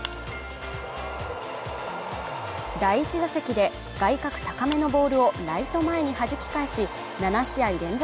第１打席で外角高めのボールをライト前に弾き返し７試合連続